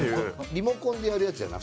リモコンでやるやつじゃなく？